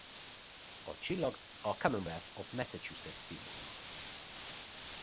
A csillag a Commonwealth of Massachusetts szimbóluma.